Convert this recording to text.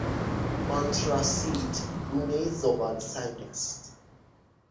آنتراسیت گونهای زغالسنگ است.